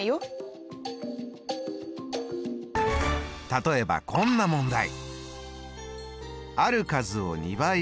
例えばこんな問題。